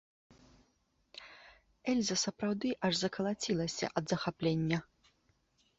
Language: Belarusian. Эльза сапраўды аж закалацілася ад захаплення.